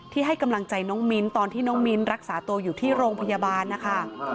ให้กำลังใจน้องมิ้นตอนที่น้องมิ้นรักษาตัวอยู่ที่โรงพยาบาลนะคะ